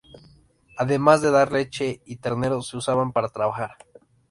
Además de dar leche y terneros se usaban para trabajar.